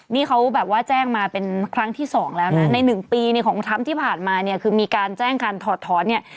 นี่เขาแบบว่าแจ้งมาเป็นครั้งที่สองแล้วนะใน๑ปีเนี่ยของทรัมป์ที่ผ่านมาเนี่ยคือมีการแจ้งการถอดถอนเนี่ย